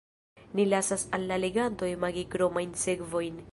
Ni lasas al la leganto imagi kromajn sekvojn.